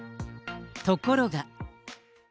ところが。